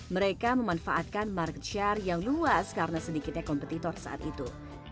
mereka memanfaatkan mark share yang luas karena sedikitnya kompetitor saat itu